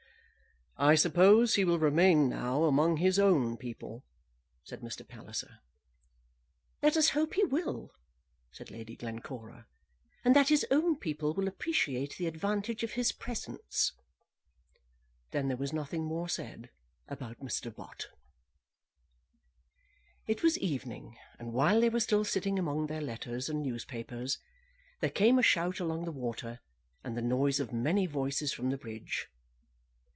"I suppose he will remain now among his own people," said Mr. Palliser. "Let us hope he will," said Lady Glencora, "and that his own people will appreciate the advantage of his presence." Then there was nothing more said about Mr. Bott. It was evening, and while they were still sitting among their letters and newspapers, there came a shout along the water, and the noise of many voices from the bridge.